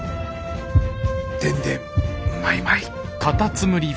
でんでんマイマイ。